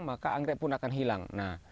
maka anggrek pun akan hilang